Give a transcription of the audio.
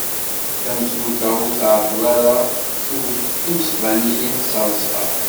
Tamsulta ur tɛeṭṭel ara twet imesbaniyen s rrṣas.